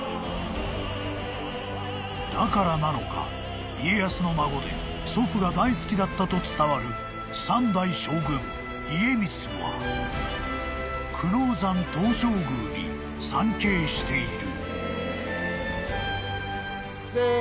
［だからなのか家康の孫で祖父が大好きだったと伝わる三代将軍家光は久能山東照宮に参詣している］